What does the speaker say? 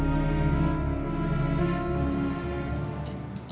ibu mau masuk rumah